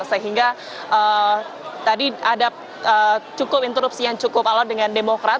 sehingga tadi ada interupsi yang cukup alat dengan demokrat